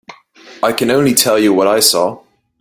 I can only tell you what I saw.